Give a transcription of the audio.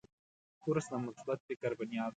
کورس د مثبت فکر بنیاد دی.